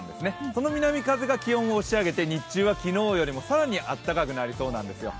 その南風が気温を押し上げて日中は昨日よりも更にあったかくなりそうなんですよ。